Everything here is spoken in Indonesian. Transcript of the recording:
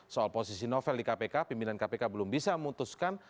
soal posisi novel di kpk pimpinan kpk belum bisa memutuskan